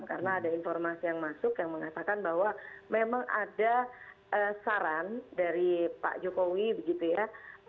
karena ada informasi yang masuk yang mengatakan bahwa memang ada saran dari pak jokowi begitu ya